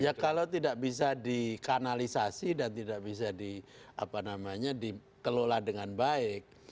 ya kalau tidak bisa dikanalisasi dan tidak bisa dikelola dengan baik